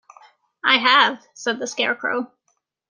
"I have," said the Scarecrow.